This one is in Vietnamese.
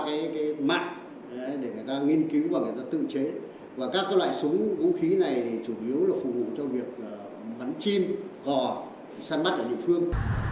chủ yếu là phục vụ cho việc bắn chim gò săn bắt ở địa phương